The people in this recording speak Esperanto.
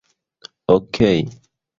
Okej.